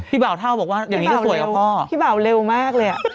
พี่เบาเท่าบอกว่าพี่เบาเร็วมากเลยอะ